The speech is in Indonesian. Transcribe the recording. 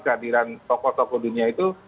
kehadiran tokoh tokoh dunia itu